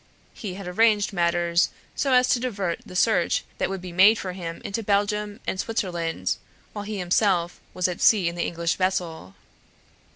He had arranged matters so as to divert the search that would be made for him into Belgium and Switzerland, while he himself was at sea in the English vessel.